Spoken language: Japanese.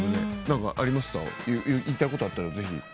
・何かあります？言いたいことあったらぜひ。